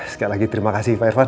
sekali lagi terima kasih pak irvan